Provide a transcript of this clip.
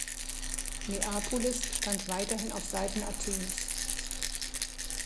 Neapolis stand weiterhin auf Seiten Athens.